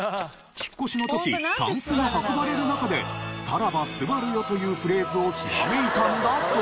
引っ越しの時たんすが運ばれる中で「さらば昴よ」というフレーズをひらめいたんだそう。